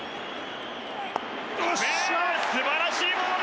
素晴らしいボール！